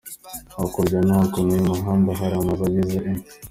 Hakurya no hakuno y’uyu muhanda hari amazu agize E.